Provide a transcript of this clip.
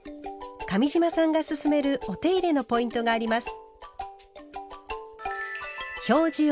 上島さんがすすめるお手入れのポイントがあります。